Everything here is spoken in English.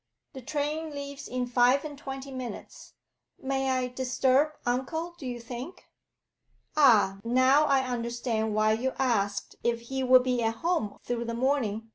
'The train leaves in five and twenty minutes. May I disturb uncle, do you think?' 'Ah, now I understand why you asked if he would be at home through the morning.